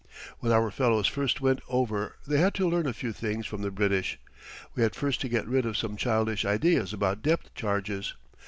When our fellows first went over they had to learn a few things from the British. We had first to get rid of some childish ideas about depth charges.